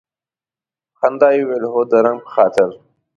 په خندا یې وویل هو د رنګ په خاطر.